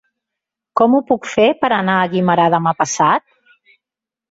Com ho puc fer per anar a Guimerà demà passat?